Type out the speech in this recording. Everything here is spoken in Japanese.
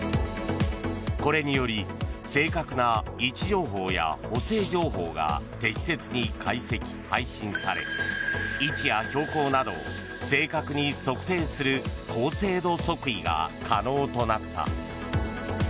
これにより正確な位置情報や補正情報が適切に解析・配信され位置や標高などを正確に測定する高精度測位が可能となった。